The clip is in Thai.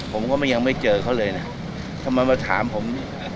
ผมก็ไม่ยังไม่เจอเขาเลยนะทำไมมาถามผม